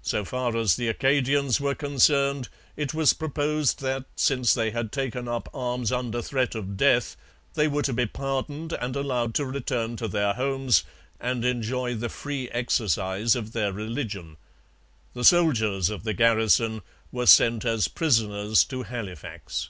So far as the Acadians were concerned, it was proposed that, since they had taken up arms under threat of death, they were to be pardoned and allowed to return to their homes and enjoy the free exercise of their religion. The soldiers of the garrison were sent as prisoners to Halifax.